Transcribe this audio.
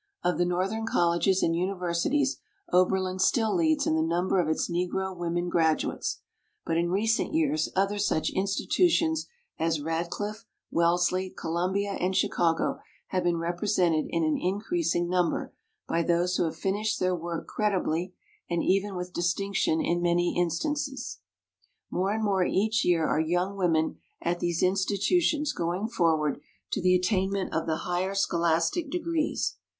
Of the Northern colleges and universities Oberlin still leads in the number of its Negro women graduates, but in recent years other such institutions as Radcliffe, Wellesley, Columbia, and Chi cago have been represented in an increasing number by those who have finished their work creditably and even with distinction in many instances. More and more each year are young women at these institutions going forward to the attainment of the higher scholastic degrees.